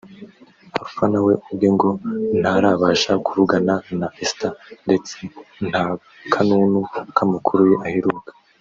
Alpha na we ubwe ngo ntarabasha kuvugana na Esther ndetse nta kanunu k’amakuru ye aheruka